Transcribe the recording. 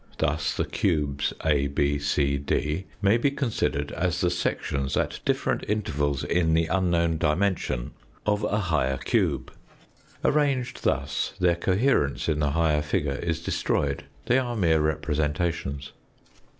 Thus the cubes A, B, c, D, may be considered as the sections at different B C Fig. 1U O intervals in the unknown dimension of a higher cube. Arranged thus their coherence in the higher figure is destroyed, they are mere representations.